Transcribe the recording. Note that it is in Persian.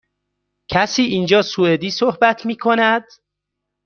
کسی اینجا سوئدی صحبت می کند؟